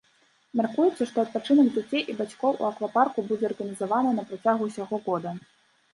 Мяркуецца, што адпачынак дзяцей і бацькоў у аквапарку будзе арганізаваны на працягу ўсяго года.